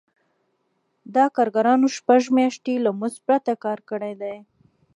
دا کارګرانو شپږ میاشتې له مزد پرته کار کړی دی